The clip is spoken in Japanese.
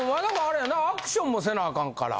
あれやなアクションもせなあかんから。